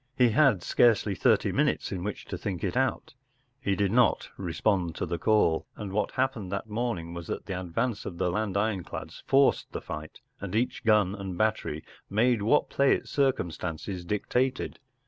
He had scarcely thirty minutes in which to think it out. He did not respond to the call, and what happened that morning was that the advance of the land ironclads forced the fight, and each gun and battery made what play its circumstances dictated.